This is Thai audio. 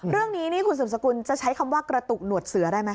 เรื่องนี้นี่คุณสืบสกุลจะใช้คำว่ากระตุกหนวดเสือได้ไหม